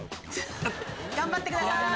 頑張ってください！